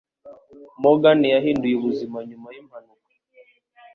Morgan yahinduye ubuzima nyuma yimpanuka